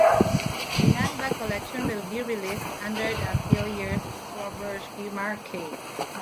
The handbag collection will be released under the Atelier Swarovski marquee.